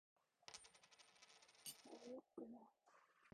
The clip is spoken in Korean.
너였구나!